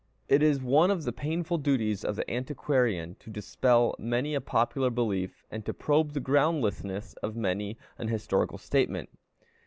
It is one of the painful duties of the antiquarian to dispel many a popular belief, and to probe the groundlessness of many an historical statement.